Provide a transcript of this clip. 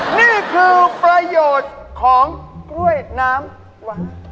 นี่คือประโยชน์ของกล้วยน้ำว้า